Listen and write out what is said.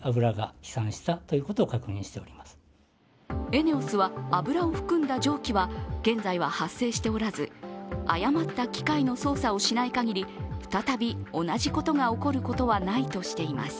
エネオスは油を含んだ蒸気は現在は発生しておらず、誤った機械の操作をしない限り再び同じことが起こることはないとしています。